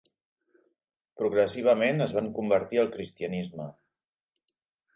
Progressivament es van convertir al cristianisme.